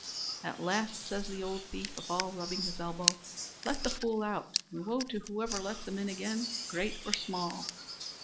At last says the ould thief of all, rubbing his elbow, "Let the fool out; and woe to whoever lets him in again, great or small."